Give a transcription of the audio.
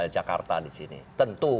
jakarta di sini tentu